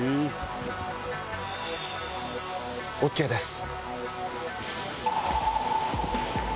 ＯＫです。